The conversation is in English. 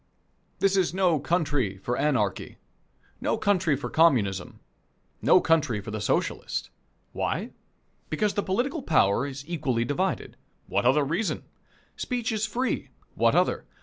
This is no country for Anarchy, no country for Communism, no country for the Socialist. Why? Because the political power is equally divided. What other reason? Speech is free. What other?